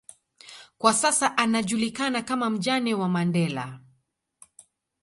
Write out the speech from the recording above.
kwa sasa anajulikana kama mjane wa Mandela